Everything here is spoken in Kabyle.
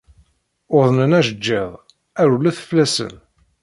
Uḍnen ajeǧǧiḍ, rewlet fella-sen.